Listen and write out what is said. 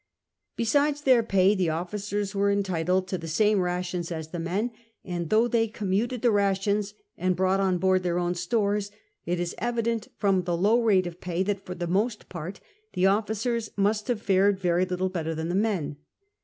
Besides their pay the officers were entitled to the same rations as the men, and though they commuted the rations and brought on board their own stores, it is evident from the low rate of pay that for the most part the officers must have fared very little better than the men.